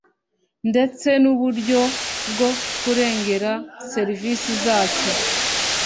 ndetse n’uburyo bwo kurengera serivisi zacyo